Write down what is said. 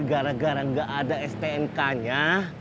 gara gara gak ada stnk nya